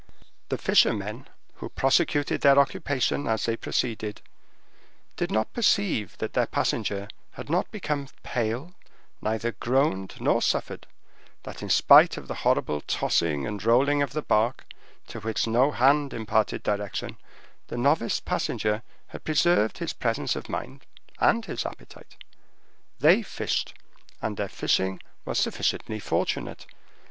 The fishermen, who prosecuted their occupation as they proceeded, did not perceive that their passenger had not become pale, neither groaned nor suffered; that in spite of that horrible tossing and rolling of the bark, to which no hand imparted direction, the novice passenger had preserved his presence of mind and his appetite. They fished, and their fishing was sufficiently fortunate.